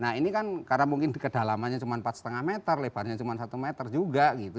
nah ini kan karena mungkin kedalamannya cuma empat lima meter lebarnya cuma satu meter juga gitu